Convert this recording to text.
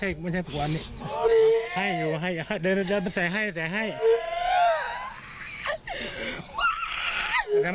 เออลองไหมลองไหมลูกเออลองไหม